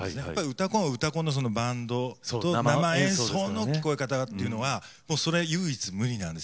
「うたコン」は「うたコン」のバンドと生演奏の聞こえ方っていうのはもうそれ唯一無二なんですよ。